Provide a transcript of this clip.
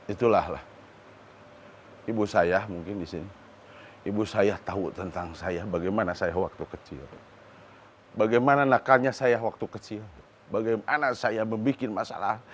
itulah lah ibu saya mungkin di sini ibu saya tahu tentang saya bagaimana saya waktu kecil bagaimana nakalnya saya waktu kecil bagaimana saya membuat masalah